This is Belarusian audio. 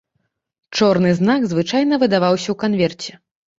Чорны знак звычайна выдаваўся ў канверце.